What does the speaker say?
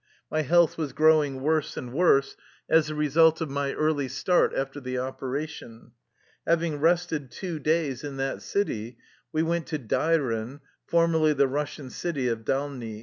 My health was growing worse and worse, as the result of my early start after the operation. Having rested two days in that city, we went to Dairen, for merly the Russian city of Dalny.